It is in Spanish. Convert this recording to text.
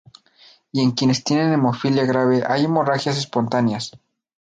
Y en quienes tienen hemofilia grave hay hemorragias espontáneas.